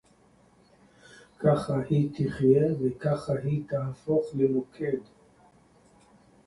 ככה היא תחיה וככה היא תהפוך למוקד